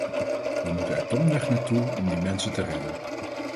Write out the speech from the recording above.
We moeten er domweg naar toe om die mensen te redden.